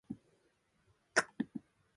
第一四分位点